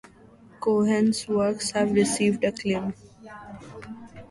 Cohen's works have received acclaim.